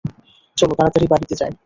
চলো তাড়াতাড়ি বাড়িতে যায়।